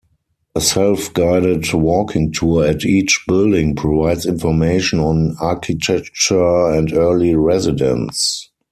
A self-guided walking tour at each building provides information on architecture and early residents.